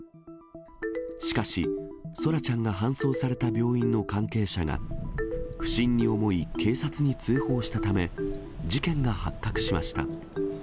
しかし、空来ちゃんが搬送された病院の関係者が、不審に思い、警察に通報したため、事件が発覚しました。